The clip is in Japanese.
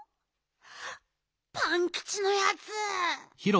パンキチのやつ！